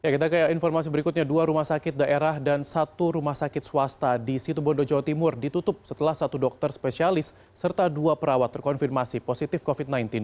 kita ke informasi berikutnya dua rumah sakit daerah dan satu rumah sakit swasta di situ bondo jawa timur ditutup setelah satu dokter spesialis serta dua perawat terkonfirmasi positif covid sembilan belas